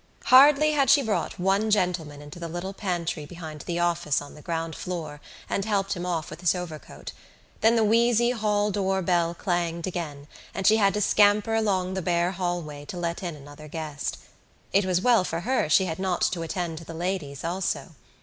Hardly had she brought one gentleman into the little pantry behind the office on the ground floor and helped him off with his overcoat than the wheezy hall door bell clanged again and she had to scamper along the bare hallway to let in another guest. It was well for her she had not to attend to the ladies also.